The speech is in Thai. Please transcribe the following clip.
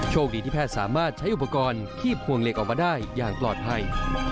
คดีที่แพทย์สามารถใช้อุปกรณ์คีบพวงเหล็กออกมาได้อย่างปลอดภัย